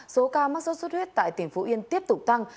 số ca mắc sốt xuất huyết tại tỉnh phú yên tiếp tục tăng